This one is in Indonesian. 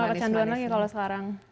udah gak kecanduan lagi kalau sekarang